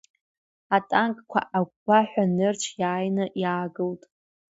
Атанкқәа агәгәаҳәа нырцә иааины иаагылт.